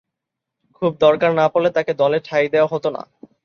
খুব দরকার না পড়লে তাকে দলে ঠাঁই দেয়া হতো না।